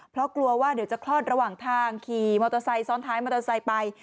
เพราะกลัวว่าเดี๋ยวจะคลอดระหว่างทางขี่มอเตอร์ไซค์ซ้อนท้ายมอเตอร์ไซค์ไป